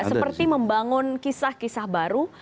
seperti membangun kisah kisah baru